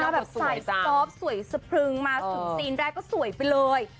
มาแบบไซส์ซอฟต์สวยสะพรึงมาสุดซีนแรกก็สวยไปเลย